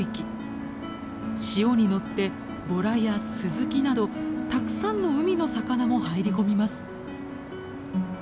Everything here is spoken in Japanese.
潮に乗ってボラやスズキなどたくさんの海の魚も入り込みます。